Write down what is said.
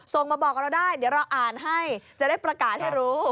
ส่งมาบอกกับเราได้เดี๋ยวเราอ่านให้จะได้ประกาศให้รู้